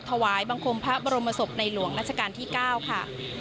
ถวายบังคมพระบรมศพในหลวงราชการที่๙ค่ะ